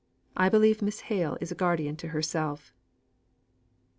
I believe Miss Hale is a guardian to herself."